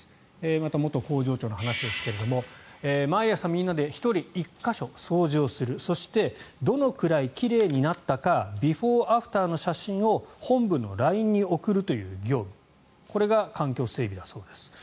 また元工場長の話ですが毎朝、みんなで１人１か所掃除をするそしてどのくらい奇麗になったかビフォーアフターの写真を本部のＬＩＮＥに送るという業務これが環境整備だそうです。